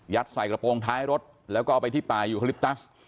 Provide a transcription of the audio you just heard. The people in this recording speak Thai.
ยัดใส่กระโปรงท้ายรถแล้วก็ไปที่ป่ายวิวคริปตัส